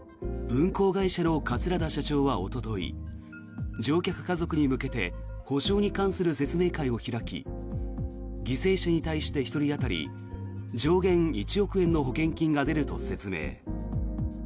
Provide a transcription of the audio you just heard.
運航会社の桂田社長はおととい乗客家族に向けて補償に関する説明会を開き犠牲者に対して１人当たり上限１億円の保険金が出ると説明。